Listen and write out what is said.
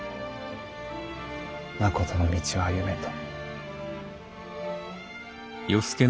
誠の道を歩めと。